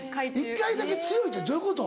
１回だけ強いってどういうこと？